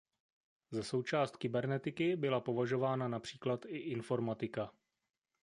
Za součást kybernetiky byla považována například i informatika.